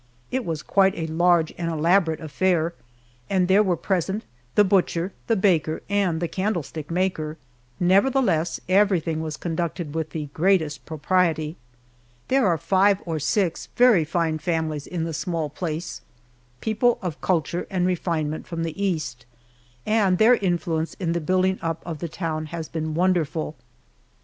It was quite a large and elaborate affair, and there were present "the butcher, the baker, and candlestick maker." Nevertheless, everything was conducted with the greatest propriety. There are five or six very fine families in the small place people of culture and refinement from the East and their influence in the building up of the town has been wonderful.